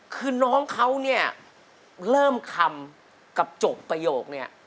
คือน้องเขาเนี่ยเริ่มคำกับจบประโยคเนี่ย